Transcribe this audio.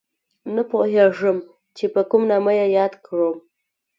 نه پوهېږم چې په کوم نامه یې یاد کړم